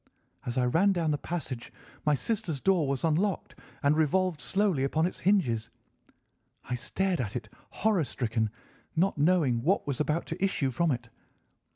As I ran down the passage, my sister's door was unlocked, and revolved slowly upon its hinges. I stared at it horror stricken, not knowing what was about to issue from it.